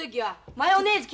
マヨネーズかき。